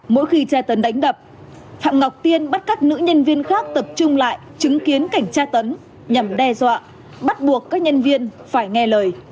mỗi khi tra tấn đánh đập phạm ngọc tiên bắt các nữ nhân viên khác tập trung lại chứng kiến cảnh tra tấn nhằm đe dọa bắt buộc các nhân viên phải nghe lời